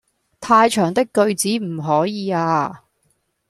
太長的句子唔可以呀